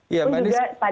iya pak nis